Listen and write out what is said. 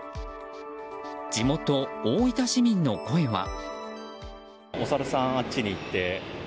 地元・大分市民の声は。